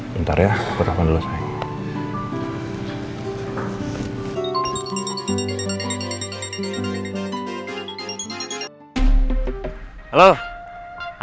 bentar ya berapa dulu sayang